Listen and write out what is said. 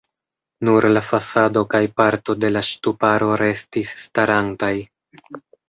Nur la fasado kaj parto de la ŝtuparo restis starantaj.